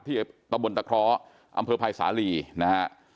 ที่ตะบลตะคร้ออำเภอภัยสาหรี่นะฮะ